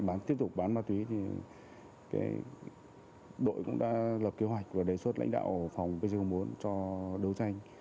bán tiếp tục bán ma túy thì đội cũng đã lập kế hoạch và đề xuất lãnh đạo phòng pc bốn cho đấu tranh